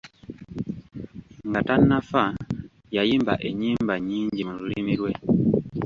Nga tannafa yayimba ennyimba nnyingi mu lulimi lwe.